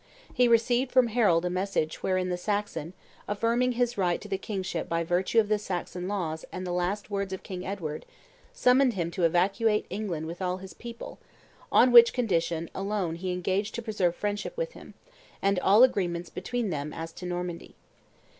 He received from Harold himself a message wherein the Saxon, affirming his right to the kingship by virtue of the Saxon laws and the last words of King Edward, summoned him to evacuate England with all his people; on which condition alone he engaged to preserve friendship with him, and all agreements between them as to Normandy.